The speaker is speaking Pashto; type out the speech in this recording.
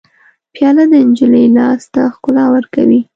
پیاله د نجلۍ لاس ته ښکلا ورکوي.